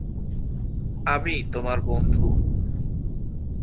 আমি, তোমার বন্ধু।